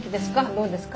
どうですか？